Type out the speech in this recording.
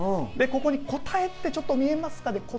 ここに「答」ってちょっと見えますかね。